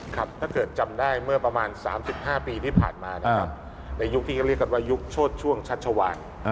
ถ้าเกิดจำได้เมื่อประมาณ๓๕ปีที่ผ่านมานะครับในยุคที่เขาเรียกกันว่ายุคโชดช่วงชัชวาน